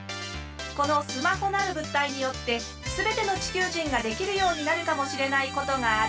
このスマホなる物体によって全ての地球人ができるようになるかもしれないことがある。